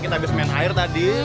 kita habis main air tadi